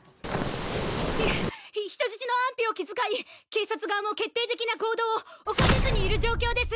ひ人質の安否を気遣い警察側も決定的な行動を起こせずにいる状況です